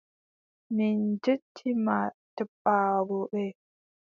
Min njetti ma jaɓɓaago ɓe.